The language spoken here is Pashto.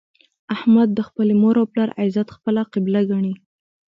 احمد د خپلې مور او پلار عزت خپله قبله ګڼي.